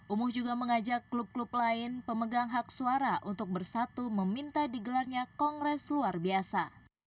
umuh juga mengajak klub klub lain pemegang hak suara untuk bersatu meminta digelarnya kongres luar biasa